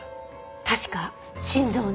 確か心臓の。